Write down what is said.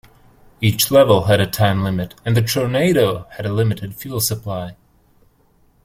Each level had a time limit, and the Tornado had a limited fuel supply.